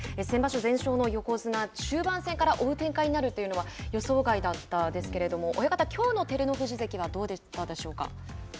先場所全勝の横綱中盤戦から追う展開になるというのは予想外だったですけれども親方、きょうの照ノ富士関はどうだったでしょうか。